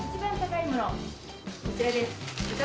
こちらです。